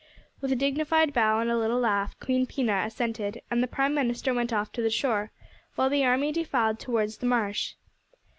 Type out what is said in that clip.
With a dignified bow and a little laugh Queen Pina assented, and the Prime Minister went off to the shore, while the army defiled towards the marsh.